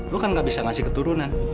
lu kan gak bisa ngasih keturunan